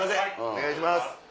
お願いします。